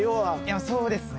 そうですね。